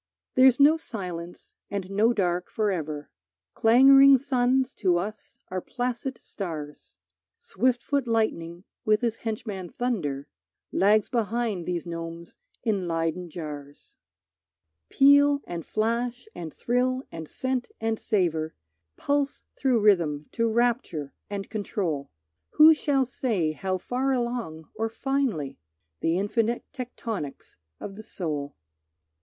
There's no silence and no dark forever, Clangoring suns to us are placid stars; Swift foot lightning with his henchman thunder Lags behind these gnomes in Leyden jars. Peal and flash and thrill and scent and savour Pulse through rhythm to rapture, and control, Who shall say how far along or finely? The infinite tectonics of the soul.